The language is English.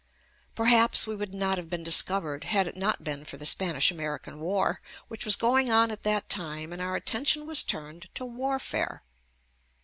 Perhaps we would not have been discovered had it not been for the Spanish American JUST ME war, which was going on at that time and our attention was turned to warfare.